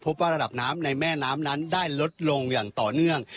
ว่าระดับน้ำในแม่น้ำนั้นได้ลดลงอย่างต่อเนื่อง